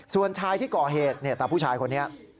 ส่วนชายที่ก่อเหตุเนี่ยตาผู้ชายคนนี้